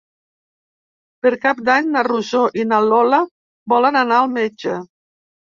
Per Cap d'Any na Rosó i na Lola volen anar al metge.